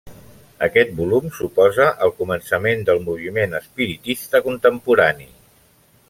Aquest volum suposa el començament del moviment espiritista contemporani.